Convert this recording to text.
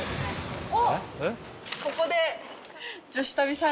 ここで。